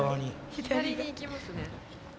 左に行きますね。